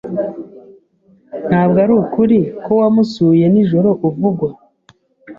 Ntabwo arukuri ko wamusuye nijoro uvugwa?